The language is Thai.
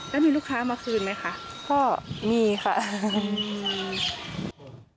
แล้วมีลูกค้ามาคืนไหมคะก็มีค่ะ